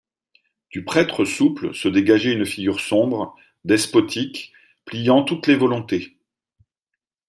Du prêtre souple se dégageait une figure sombre, despotique, pliant toutes les volontés.